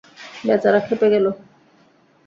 বেচারা খেপে গেল।